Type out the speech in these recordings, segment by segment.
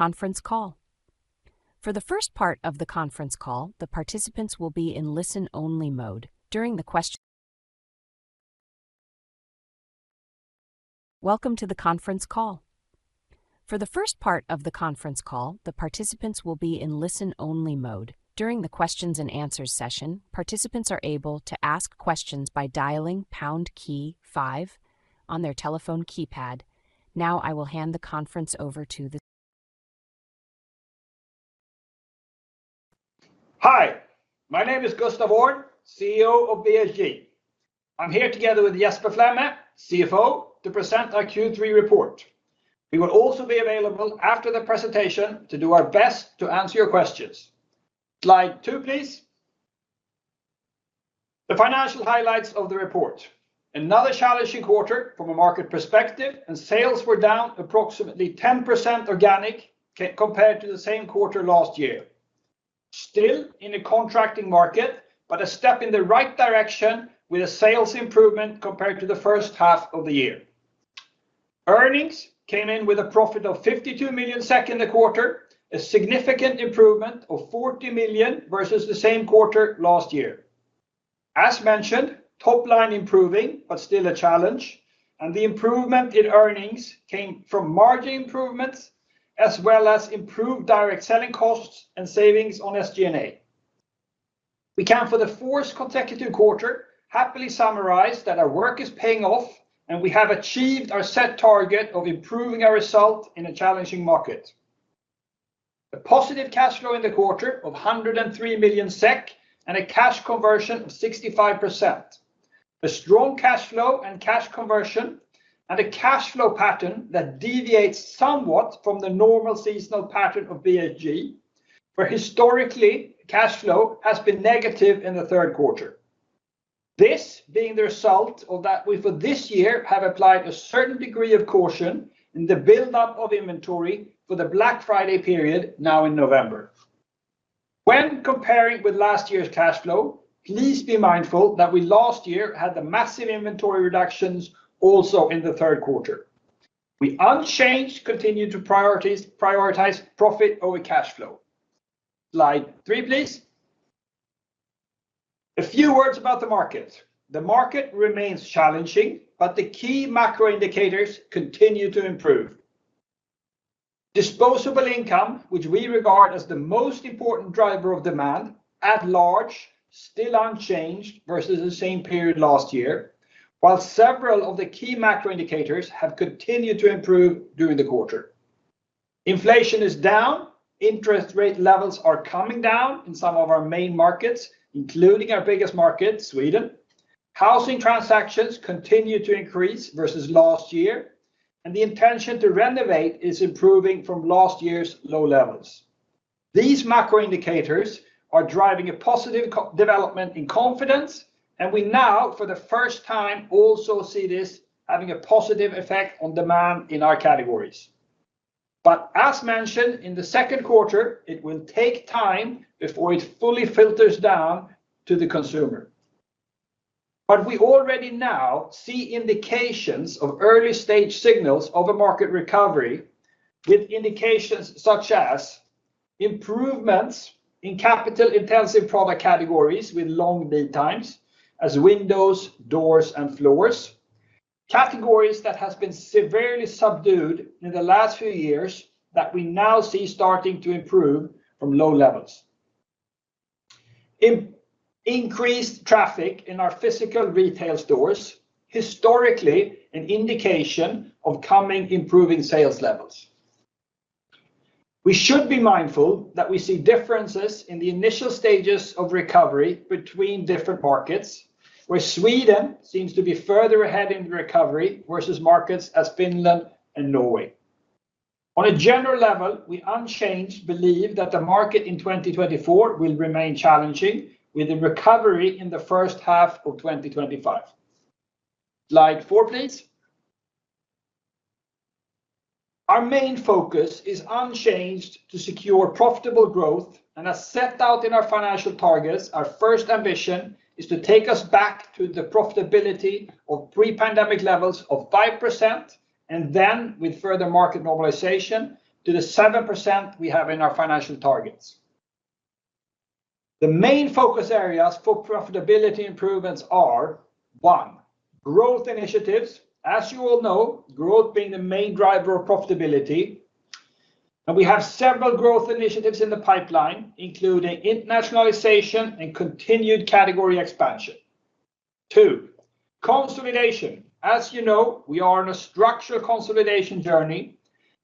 Welcome to the conference call. For the first part of the conference call, the participants will be in listen-only mode. During the questions and answers session, participants are able to ask questions by dialing pound key five on their telephone keypad. Now, I will hand the conference over to the- Hi, my name is Gustaf Öhrn, CEO of BHG. I'm here together with Jesper Flemme, CFO, to present our Q3 report. We will also be available after the presentation to do our best to answer your questions. Slide two, please. The financial highlights of the report. Another challenging quarter from a market perspective, and sales were down approximately 10% organic compared to the same quarter last year. Still in a contracting market, but a step in the right direction with a sales improvement compared to the first half of the year. Earnings came in with a profit of 52 million in the quarter, a significant improvement of 40 million versus the same quarter last year. As mentioned, top line improving, but still a challenge, and the improvement in earnings came from margin improvements, as well as improved direct selling costs and savings on SG&A. We can, for the fourth consecutive quarter, happily summarize that our work is paying off, and we have achieved our set target of improving our result in a challenging market. A positive cash flow in the quarter of 103 million SEK, and a cash conversion of 65%. A strong cash flow and cash conversion, and a cash flow pattern that deviates somewhat from the normal seasonal pattern of BHG, where historically, cash flow has been negative in the third quarter. This being the result of that we, for this year, have applied a certain degree of caution in the buildup of inventory for the Black Friday period now in November. When comparing with last year's cash flow, please be mindful that we last year had the massive inventory reductions also in the third quarter. We, unchanged, continue to prioritize profit over cash flow. Slide three, please. A few words about the market. The market remains challenging, but the key macro indicators continue to improve. Disposable income, which we regard as the most important driver of demand at large, still unchanged versus the same period last year, while several of the key macro indicators have continued to improve during the quarter. Inflation is down, interest rate levels are coming down in some of our main markets, including our biggest market, Sweden. Housing transactions continue to increase versus last year, and the intention to renovate is improving from last year's low levels. These macro indicators are driving a positive co-development in confidence, and we now, for the first time, also see this having a positive effect on demand in our categories. But as mentioned in the second quarter, it will take time before it fully filters down to the consumer. But we already now see indications of early-stage signals of a market recovery, with indications such as improvements in capital-intensive product categories with long lead times as windows, doors, and floors. Categories that has been severely subdued in the last few years that we now see starting to improve from low levels. Increased traffic in our physical retail stores, historically, an indication of coming, improving sales levels. We should be mindful that we see differences in the initial stages of recovery between different markets, where Sweden seems to be further ahead in recovery versus markets as Finland and Norway. On a general level, we, unchanged, believe that the market in 2024 will remain challenging, with a recovery in the first half of 2025. Slide four, please. Our main focus is unchanged to secure profitable growth, and as set out in our financial targets, our first ambition is to take us back to the profitability of pre-pandemic levels of 5%, and then with further market normalization, to the 7% we have in our financial targets. The main focus areas for profitability improvements are, one, growth initiatives. As you all know, growth being the main driver of profitability, and we have several growth initiatives in the pipeline, including internationalization and continued category expansion. Two, consolidation. As you know, we are on a structural consolidation journey.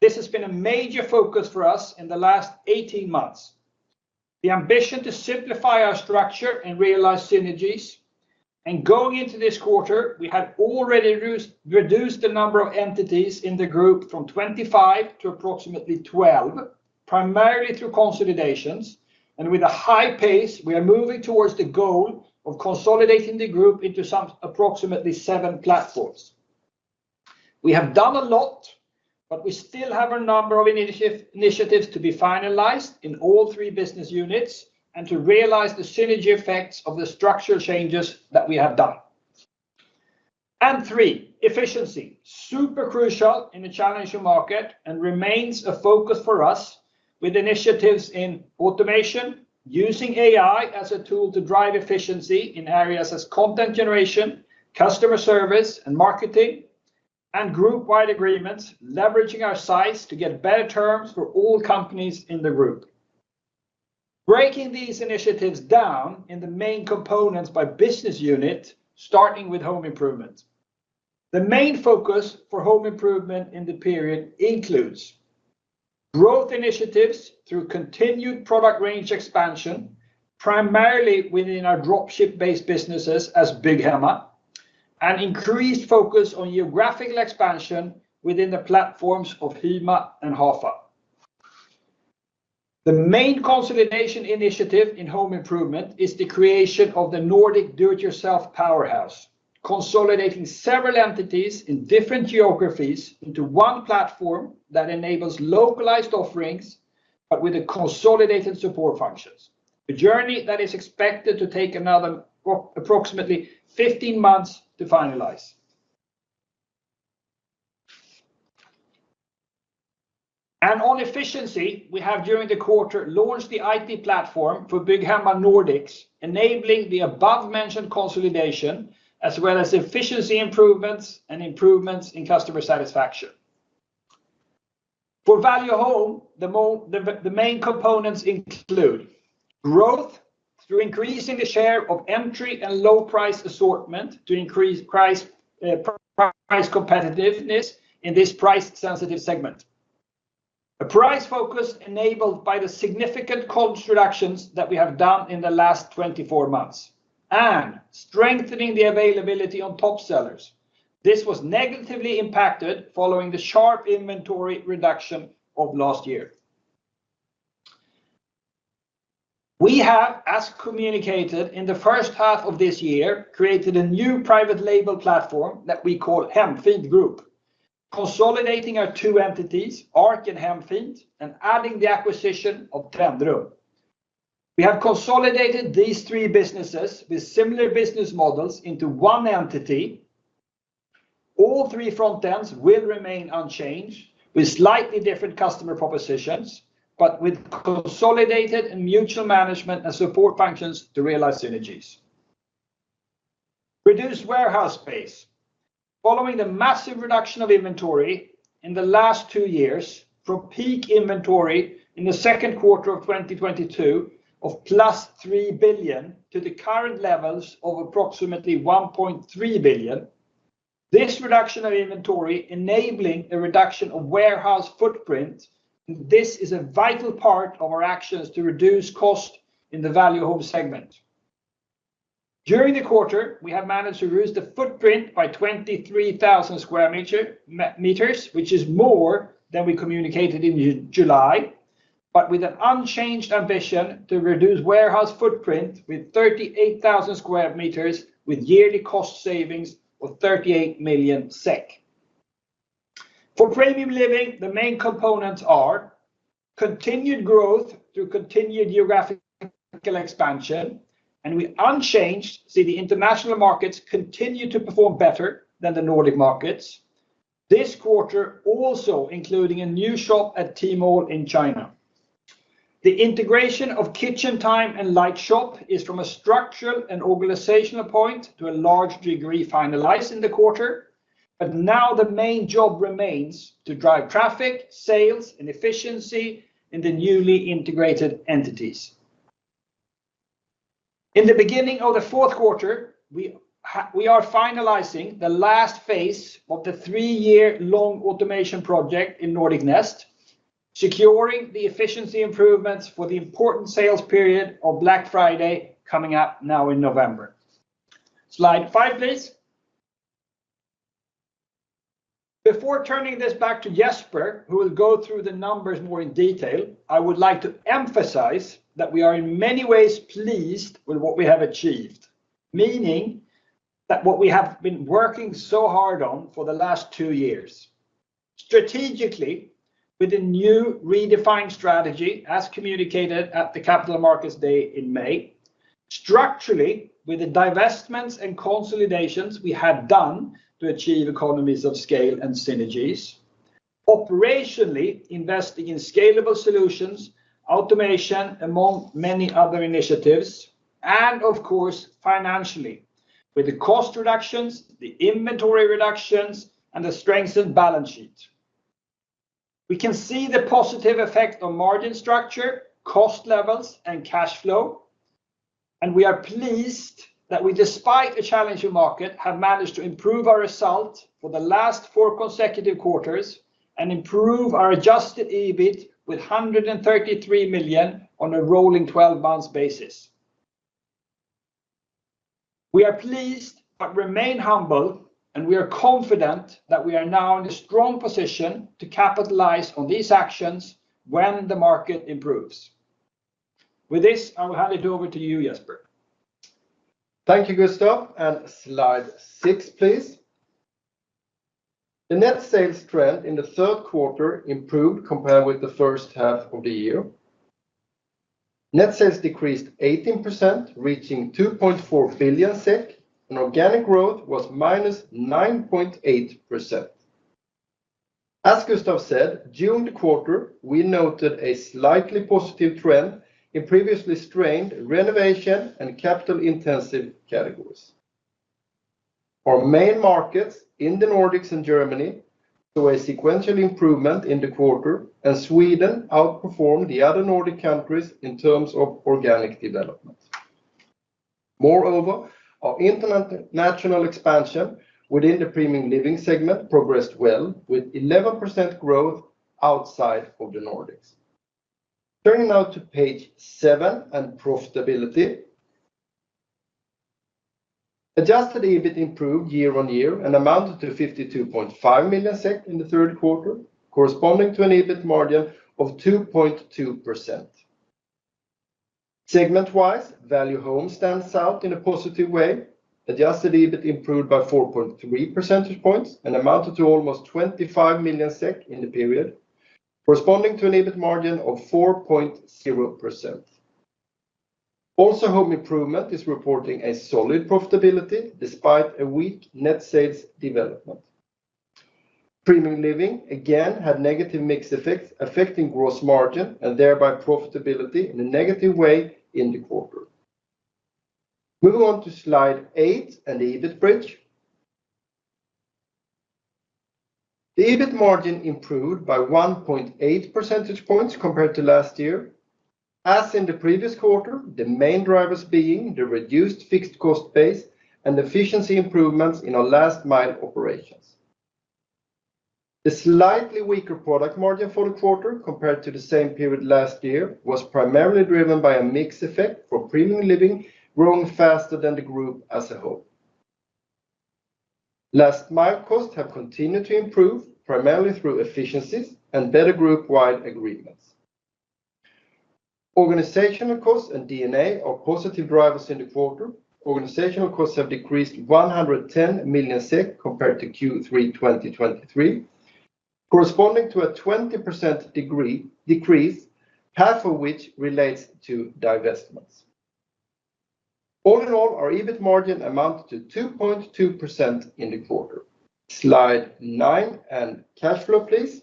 This has been a major focus for us in the last 18 months. The ambition to simplify our structure and realize synergies, and going into this quarter, we had already reduced the number of entities in the group from 25 to approximately 12, primarily through consolidations, and with a high pace, we are moving towards the goal of consolidating the group into some approximately seven platforms. We have done a lot, but we still have a number of initiatives to be finalized in all three business units and to realize the synergy effects of the structural changes that we have done. And three, efficiency. Super crucial in the challenging market and remains a focus for us with initiatives in automation, using AI as a tool to drive efficiency in areas as content generation, customer service, and marketing, and group-wide agreements, leveraging our size to get better terms for all companies in the group. Breaking these initiatives down in the main components by business unit, starting with Home Improvement. The main focus for Home Improvement in the period includes growth initiatives through continued product range expansion, primarily within our dropship-based businesses as Bygghemma, and increased focus on geographical expansion within the platforms of Hemmy and Hafa. The main consolidation initiative in Home Improvement is the creation of the Nordic do-it-yourself powerhouse, consolidating several entities in different geographies into one platform that enables localized offerings, but with a consolidated support functions. A journey that is expected to take another approximately 15 months to finalize. On efficiency, we have, during the quarter, launched the IT platform for Bygghemma Nordics, enabling the above-mentioned consolidation, as well as efficiency improvements and improvements in customer satisfaction. For Value Home, the main components include growth through increasing the share of entry and low price assortment to increase price, price competitiveness in this price-sensitive segment. A price focus enabled by the significant cost reductions that we have done in the last 24 months, and strengthening the availability on top sellers. This was negatively impacted following the sharp inventory reduction of last year. We have, as communicated in the first half of this year, created a new private label platform that we call Hemfint Group, consolidating our two entities, Arc and Hemfint, and adding the acquisition of Trendrum. We have consolidated these three businesses with similar business models into one entity. All three front ends will remain unchanged, with slightly different customer propositions, but with consolidated and mutual management and support functions to realize synergies. Reduced warehouse space. Following the massive reduction of inventory in the last two years, from peak inventory in the second quarter of twenty twenty-two of 3 billion, to the current levels of approximately 1.3 billion, this reduction of inventory enabling a reduction of warehouse footprint, this is a vital part of our actions to reduce cost in the Value Home segment. During the quarter, we have managed to reduce the footprint by 23,000 sqm, which is more than we communicated in July, but with an unchanged ambition to reduce warehouse footprint with 38,000 sqm, with yearly cost savings of 38 million SEK. For Premium Living, the main components are continued growth through continued geographical expansion, and we unchanged see the international markets continue to perform better than the Nordic markets. This quarter also including a new shop at Tmall in China. The integration of KitchenTime and Lightshop is, from a structural and organizational point, to a large degree, finalized in the quarter, but now the main job remains to drive traffic, sales, and efficiency in the newly integrated entities. In the beginning of the fourth quarter, we are finalizing the last phase of the three-year-long automation project in Nordic Nest, securing the efficiency improvements for the important sales period of Black Friday, coming up now in November. Slide five, please. Before turning this back to Jesper, who will go through the numbers more in detail, I would like to emphasize that we are in many ways pleased with what we have achieved. Meaning that what we have been working so hard on for the last two years, strategically, with a new redefined strategy, as communicated at the Capital Markets Day in May, structurally, with the divestments and consolidations we have done to achieve economies of scale and synergies, operationally, investing in scalable solutions, automation, among many other initiatives, and of course, financially, with the cost reductions, the inventory reductions, and the strengthened balance sheet. We can see the positive effect on margin structure, cost levels, and cash flow, and we are pleased that we, despite a challenging market, have managed to improve our result for the last four consecutive quarters, and improve our adjusted EBIT with 130 million on a rolling 12 months basis. We are pleased, but remain humble, and we are confident that we are now in a strong position to capitalize on these actions when the market improves. With this, I will happily hand over to you, Jesper. Thank you, Gustaf, and slide six, please. The net sales trend in the third quarter improved compared with the first half of the year. Net sales decreased 18%, reaching 2.4 billion SEK, and organic growth was -9.8%. As Gustaf said, during the quarter, we noted a slightly positive trend in previously strained renovation and capital-intensive categories. Our main markets in the Nordics and Germany saw a sequential improvement in the quarter, and Sweden outperformed the other Nordic countries in terms of organic development. Moreover, our international expansion within the Premium Living segment progressed well, with 11% growth outside of the Nordics. Turning now to page seven and profitability. Adjusted EBIT improved year-on-year and amounted to 52.5 million SEK in the third quarter, corresponding to an EBIT margin of 2.2%. Segment-wise, Value Home stands out in a positive way. Adjusted EBIT improved by 4.3 percentage points and amounted to almost 25 million SEK in the period, corresponding to an EBIT margin of 4.0%. Also, Home Improvement is reporting a solid profitability despite a weak net sales development. Premium Living, again, had negative mix effects, affecting gross margin and thereby profitability in a negative way in the quarter. Moving on to slide eight and the EBIT bridge. The EBIT margin improved by 1.8 percentage points compared to last year. As in the previous quarter, the main drivers being the reduced fixed cost base and efficiency improvements in our last mile operations. The slightly weaker product margin for the quarter, compared to the same period last year, was primarily driven by a mix effect for Premium Living growing faster than the group as a whole. Last mile costs have continued to improve, primarily through efficiencies and better group-wide agreements. Organizational costs and D&A are positive drivers in the quarter. Organizational costs have decreased 110 million SEK compared to Q3 2023, corresponding to a 20% decrease, half of which relates to divestments. All in all, our EBIT margin amounted to 2.2% in the quarter. Slide nine and cash flow, please.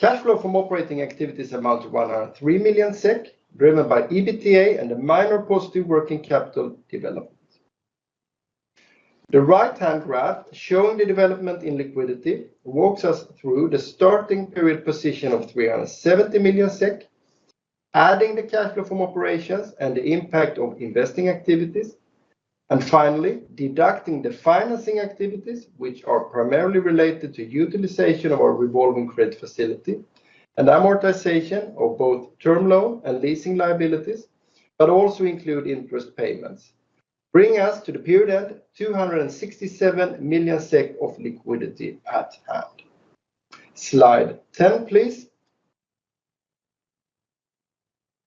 Cash flow from operating activities amounts to 103 million SEK, driven by EBITDA and a minor positive working capital development. The right-hand graph, showing the development in liquidity, walks us through the starting period position of 370 million SEK, adding the cash flow from operations and the impact of investing activities, and finally, deducting the financing activities, which are primarily related to utilization of our revolving credit facility and amortization of both term loan and leasing liabilities, but also include interest payments, bringing us to the period end, 267 million SEK of liquidity at hand. Slide 10, please.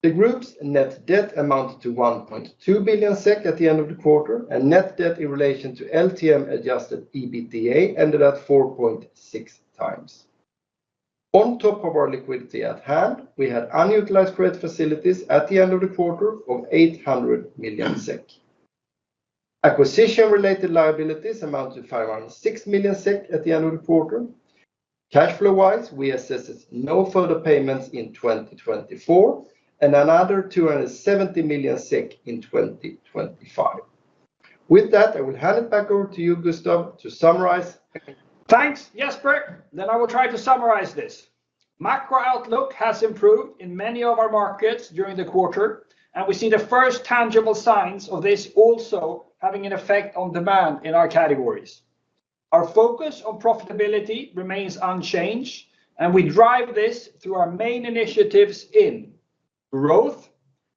The group's net debt amounted to 1.2 billion SEK at the end of the quarter, and net debt in relation to LTM Adjusted EBITDA ended at 4.6x. On top of our liquidity at hand, we had unutilized credit facilities at the end of the quarter of 800 million SEK. Acquisition-related liabilities amounted to 506 million SEK at the end of the quarter. Cash flow-wise, we assessed no further payments in 2024 and another 270 million SEK in 2025. With that, I will hand it back over to you, Gustaf, to summarize. Thanks, Jesper. Then I will try to summarize this. Macro outlook has improved in many of our markets during the quarter, and we see the first tangible signs of this also having an effect on demand in our categories. Our focus on profitability remains unchanged, and we drive this through our main initiatives in growth,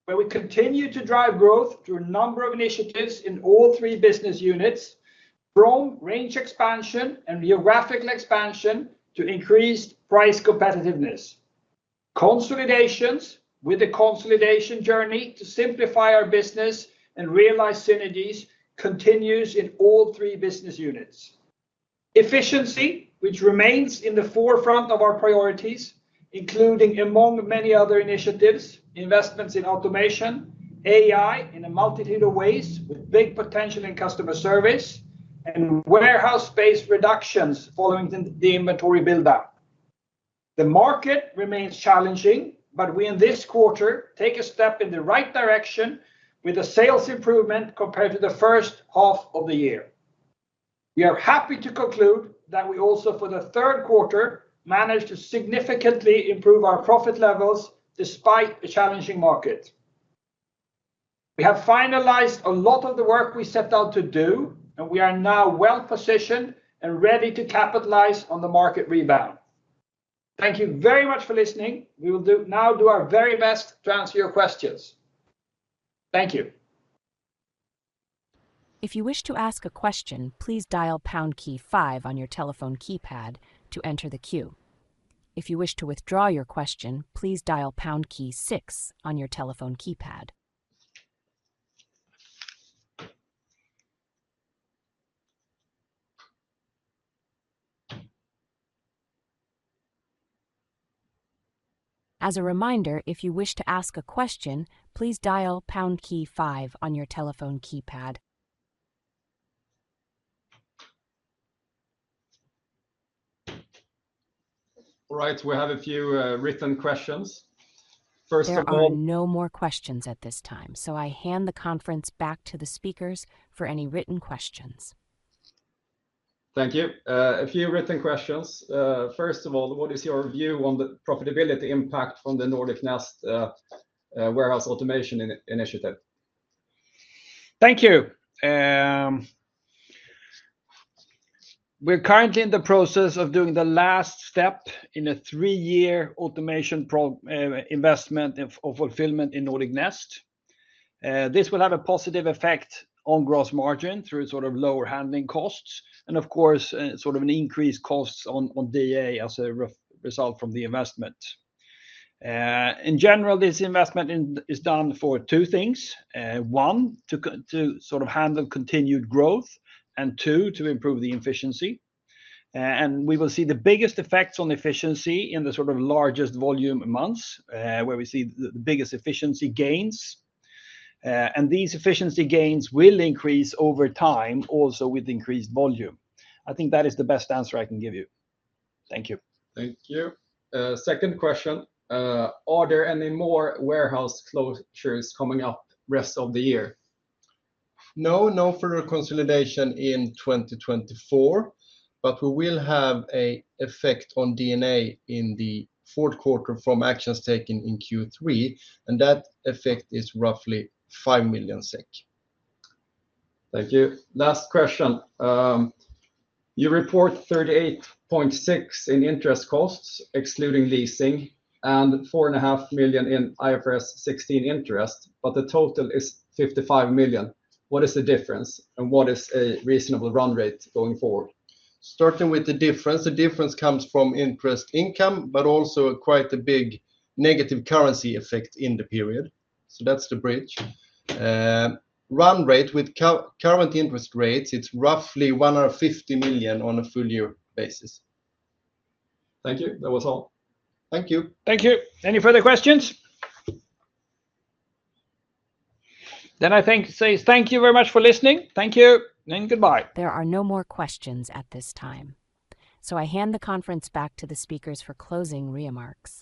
where we continue to drive growth through a number of initiatives in all three business units, from range expansion and geographical expansion to increased price competitiveness. Consolidations, with the consolidation journey to simplify our business and realize synergies, continues in all three business units. Efficiency, which remains in the forefront of our priorities, including, among many other initiatives, investments in automation, AI in a multitude of ways with big potential in customer service, and warehouse-based reductions following the inventory buildup. The market remains challenging, but we, in this quarter, take a step in the right direction with a sales improvement compared to the first half of the year. We are happy to conclude that we also, for the third quarter, managed to significantly improve our profit levels despite the challenging market. We have finalized a lot of the work we set out to do, and we are now well-positioned and ready to capitalize on the market rebound. Thank you very much for listening. We will now do our very best to answer your questions. Thank you. If you wish to ask a question, please dial pound key five on your telephone keypad to enter the queue. If you wish to withdraw your question, please dial pound key six on your telephone keypad. As a reminder, if you wish to ask a question, please dial pound key five on your telephone keypad. All right, we have a few written questions. First of all- There are no more questions at this time, so I hand the conference back to the speakers for any written questions. Thank you. A few written questions. First of all, what is your view on the profitability impact on the Nordic Nest warehouse automation initiative? Thank you. We're currently in the process of doing the last step in a three-year automation investment of fulfillment in Nordic Nest. This will have a positive effect on gross margin through sort of lower handling costs and, of course, sort of an increased costs on D&A as a result from the investment. In general, this investment is done for two things: one, to sort of handle continued growth, and two, to improve the efficiency. We will see the biggest effects on efficiency in the sort of largest volume months, where we see the biggest efficiency gains. These efficiency gains will increase over time, also with increased volume. I think that is the best answer I can give you. Thank you. Thank you. Second question: are there any more warehouse closures coming up rest of the year? No, no further consolidation in 2024, but we will have an effect on D&A in the fourth quarter from actions taken in Q3, and that effect is roughly 5 million SEK. Thank you. Last question. You report 38.6 million in interest costs, excluding leasing, and 4.5 million in IFRS 16 interest, but the total is 55 million. What is the difference, and what is a reasonable run rate going forward? Starting with the difference, the difference comes from interest income, but also quite a big negative currency effect in the period, so that's the bridge. Run rate, with current interest rates, it's roughly 150 million on a full-year basis. Thank you. That was all. Thank you. Thank you. Any further questions? Then, thank you very much for listening. Thank you, and goodbye. There are no more questions at this time, so I hand the conference back to the speakers for closing remarks.